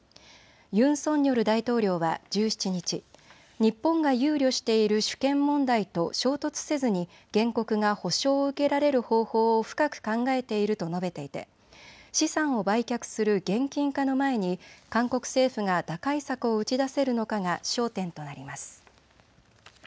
ユン・ソンニョル大統領は１７日、日本が憂慮している主権問題と衝突せずに原告が補償を受けられる方法を深く考えていると述べていて資産を売却する現金化の前に韓国政府が打開策を打ち出せるのかが焦点となります。